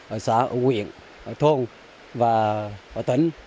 ở xã ở huyện ở thôn và ở tỉnh